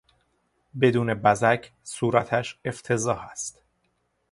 بدون بزک صورتش افتضاح است.